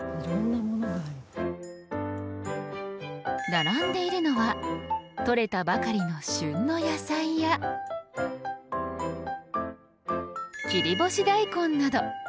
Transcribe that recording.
並んでいるのは採れたばかりの旬の野菜や切り干し大根など。